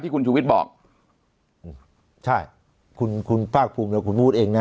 คุณชูวิทย์บอกใช่คุณคุณภาคภูมิแล้วคุณพูดเองนะ